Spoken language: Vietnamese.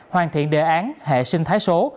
hoàn thiện đề án hệ sinh thái số